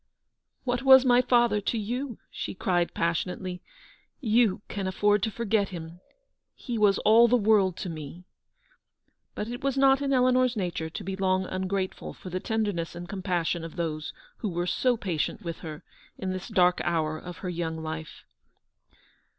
"What was my father to you?" she cried, passionately. "You can afford to forget him. He was all the world to me !" But it was not in Eleanor's nature to be long ungrateful for the tenderness and compassion of 160 those who were so patient with her in this dark hour of her young life.